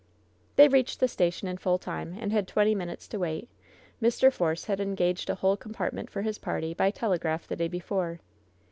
They reached the station in full time, and had twenty minutes to wait. Mr. Force had engaged a whole com partment for his party by tel^raph the day before.